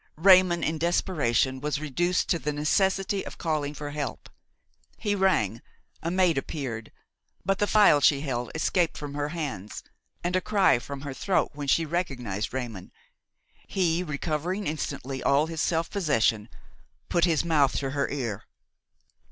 Raymon, in desperation, was reduced to the necessity of calling for help. He rang; a maid appeared; but the phial that she held escaped from her hands, and a cry from her throat, when she recognized Raymon. He, recovering instantly all his self possession, put his mouth to her ear.